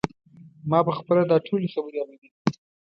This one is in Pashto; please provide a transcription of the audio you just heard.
ما په خپله دا ټولې خبرې اورېدلې دي.